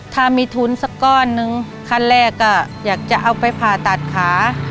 ถ้ามีทุนสักก้อนนึงขั้นแรกก็อยากจะเอาไปผ่าตัดขา